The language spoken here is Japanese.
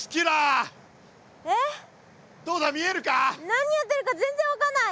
何やってるか全然分かんない！